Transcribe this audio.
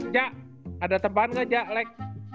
jak ada teman gak jak lek